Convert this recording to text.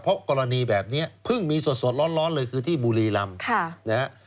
เพราะกรณีแบบนี้เพิ่งมีสดร้อนเลยคือที่บุรีรำนะฮะ